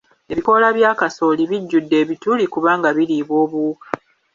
Ebikoola bya kasooli bijjudde ebituli kubanga biriibwa obuwuka.